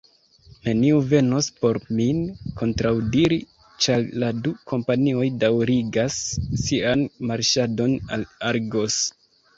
Neniu venos por min kontraŭdiri, ĉar la du kompanioj daŭrigas sian marŝadon al Argos.